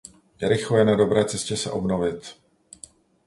Jericho je na dobré cestě se obnovit.